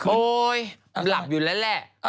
โอ๊ยหลับอยู่แล้วแหละ